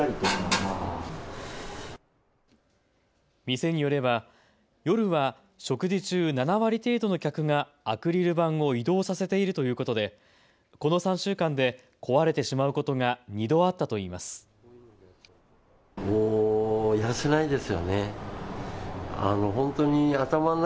店によれば夜は食事中、７割程度の客がアクリル板を移動させているということでこの３週間で壊れてしまうことが２度あったといいます。